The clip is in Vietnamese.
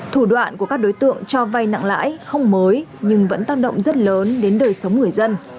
thủ đoạn của các đối tượng cho vay nặng lãi không mới nhưng vẫn tác động rất lớn đến đời sống người dân